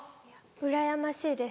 うらやましいです。